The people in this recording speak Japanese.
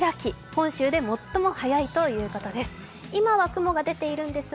本州で最も早いということです。